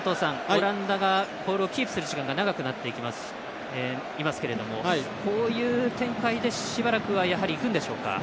オランダがボールをキープする時間が長くなっていますけれどもこういう展開でしばらくはやはり、いくんでしょうか？